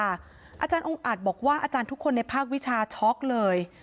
อาจารย์องค์อัดบอกว่าอาจารย์ทุกคนในภาควิชาช็อกเลย